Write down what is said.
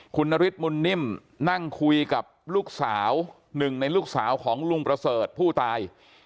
คุณนฤทธบุญนิ่มนั่งคุยกับลูกสาวหนึ่งในลูกสาวของลุงประเสริฐผู้ตาย